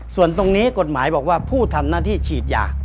ส่วนตรงนี้กฎหมายบอกว่าผู้ทำหน้าที่ฉีดยา